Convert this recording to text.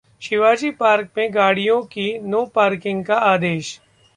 Shivaji park में गाड़ियों की ‘नो पार्किंग’ का आदेश